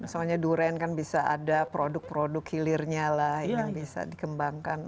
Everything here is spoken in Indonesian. soalnya durian kan bisa ada produk produk hilirnya lah yang bisa dikembangkan